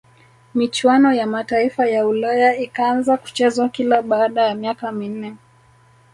michuano ya mataifa ya ulaya ikaanza kuchezwa kila baada ya miaka minne